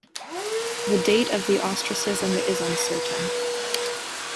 The date of the ostracism is uncertain.